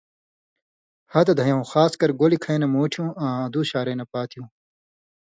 ہتہۡ دَھیؤں(خاص کر گولیۡ کھَیں نہ مُوٹھیُوں آں ادوس شارَیں نہ پاتیُوں)۔